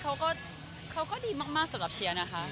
ก็ณปัจจุบันนี้เขาก็ดีมากสำหรับเชียร์นะคะ